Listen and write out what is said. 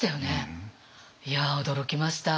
いや驚きました。